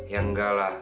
ya enggak lah